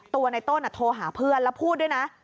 ตัวในต้นโทรหาเพื่อนแล้วพูดด้วยนะ